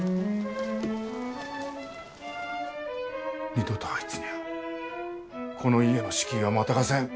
二度とあいつにゃあこの家の敷居はまたがせん。